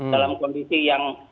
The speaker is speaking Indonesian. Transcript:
dalam kondisi yang